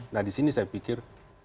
nah disini saya pikir